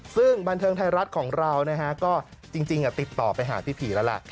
ซึ่งบันเทิงไทยรัฐของเรานะฮะก็จริงติดต่อไปหาพี่ผีแล้วล่ะ